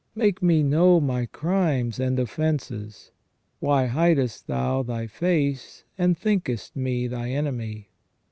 Make me know my crimes and offences. Why hidest Thou Thy face, and thinkest me Thy enemy?